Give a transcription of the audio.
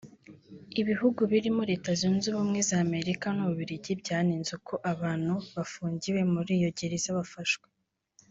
Ibihugu birimo Leta Zunze Ubumwe za Amerika n’u Bubiligi byanenze uko abantu bafungiwe muri iyo gereza bafashwe